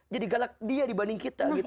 jadi galak dia dibanding kita gitu